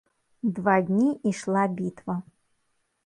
Два дні ішла бітва.